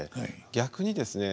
逆にですね